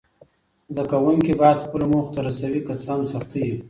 زده کوونکي باید خپلو موخو ته رسوي، که څه هم سختۍ وي.